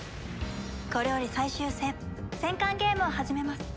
これより最終戦戦艦ゲームを始めます。